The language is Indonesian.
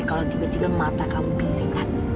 kalau tiba tiba mata kamu pinting